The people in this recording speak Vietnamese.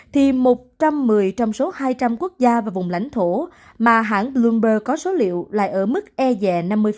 thì một trăm một mươi trong số hai trăm linh quốc gia và vùng lãnh thổ mà hãng bloomber có số liệu lại ở mức e dè năm mươi